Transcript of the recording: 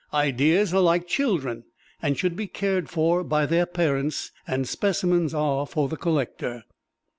Ideas are like children and should be cared for by their parents, and specimens are for the collector.